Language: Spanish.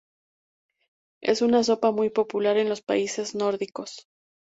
Es una sopa muy popular en los países nórdicos.